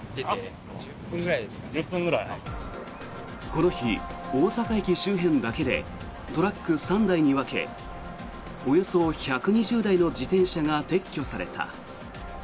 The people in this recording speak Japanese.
この日、大阪駅周辺だけでトラック３台に分けおよそ１２０台の自転車が撤去された。